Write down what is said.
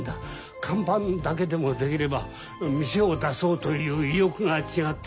看板だけでも出来れば店を出そうという意欲が違ってくる。